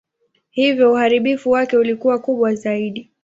Hivyo uharibifu wake ulikuwa kubwa zaidi.